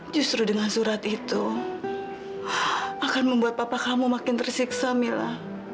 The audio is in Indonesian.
justru dengan surat itu akan membuat papa kamu makin tersiksa mila